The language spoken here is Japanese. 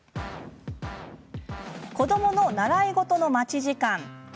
子どもの習い事の待ち時間。